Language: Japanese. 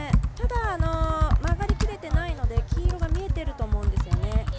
ただ曲がりきれていないので黄色が見えていると思うんですよね。